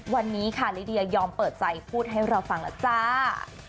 วันนี้ค่ะลิเดียยอมเปิดใจพูดให้เราฟังแล้วจ้า